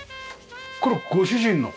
これご主人の？